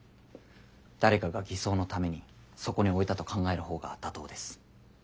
誰かが偽装のためにそこに置いたと考えるほうが妥当です。